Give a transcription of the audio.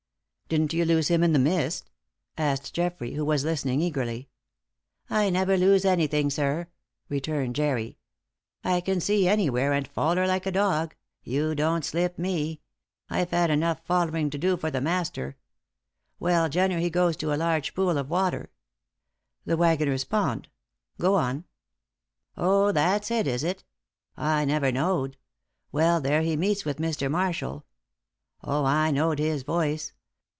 "Didn't you lose him in the mist?" asked Geoffrey, who was listening eagerly. "I never lose anything, sir," returned Jerry. "I can see anywhere, and foller like a dog. You don't slip me! I've had enough follering to do for the master. Well, Jenner he goes to a large pool of water." "The Waggoner's Pond. Go on." "Oh, that's it, is it? I never know'd. Well, there he meets with Mr. Marshall. Oh, I know'd his voice.